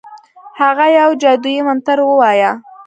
هغه یو جادویي منتر ووایه.